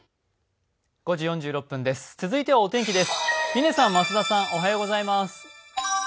続いてはお天気です。